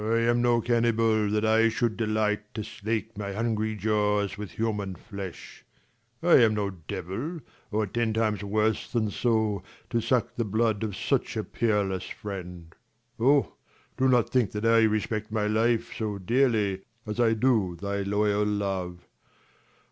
Lelr. I am no cannibal, that I should delight To slake my hungry jaws with human flesh : I am no devil, or ten times worse than so, 40 To suck the blood of such a peerless friend. Oh, do not think that I respect my life So dearly, as I do thy loyal love.